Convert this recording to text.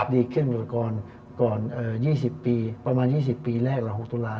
ดีขึ้นอยู่ก่อน๒๐ปีประมาณ๒๐ปีแรกหรือ๖ตุลาค